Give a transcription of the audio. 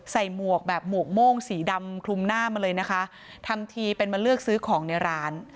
หมวกแบบหมวกโม่งสีดำคลุมหน้ามาเลยนะคะทำทีเป็นมาเลือกซื้อของในร้าน